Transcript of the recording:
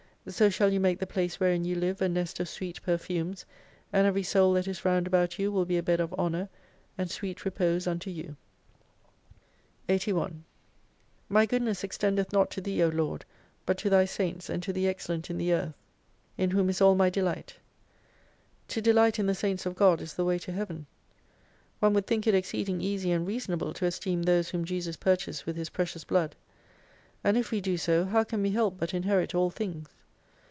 So shall you make the place wherein you live a nest of sweet perfumes, and every Soul that is round about you will be a bed of Honour, and sweet repose unto you.* 81 My goodness extendeth not to Thee, O Lord, but to Thy Saints, and to the excellent in the Earth in whom * This section is crossed through in the original MS. as though the author intended it to be omitted. 60 is all my delight. To delight in the Saints of God is the way to Heaven. One would think it exceeding easy and reasonable to esteem those whom Jesus purchased with His precious blood. And if we do so how can we help but inherit all things.